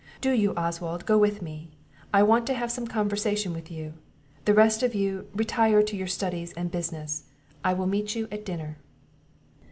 Do you, Oswald, go with me; I want to have some conversation with you. The rest of you, retire to your studies and business; I will meet you at dinner."